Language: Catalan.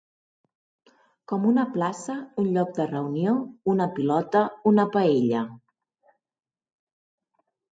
Com una plaça, un lloc de reunió, una pilota, una paella.